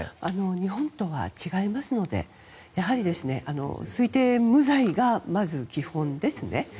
日本とは違いますのでやはり、推定無罪がまず基本ですね。